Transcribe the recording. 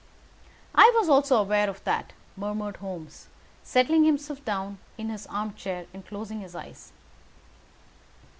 "I was also aware of that," murmured Holmes, settling himself down in his armchair, and closing his eyes.